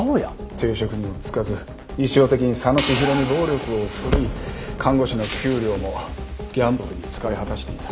定職にも就かず日常的に佐野千広に暴力を振るい看護師の給料もギャンブルに使い果たしていた。